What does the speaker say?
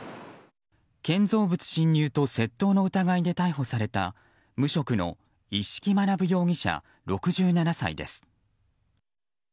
建造物侵入と窃盗の疑いで逮捕された無職の一色学容疑者、６７歳です。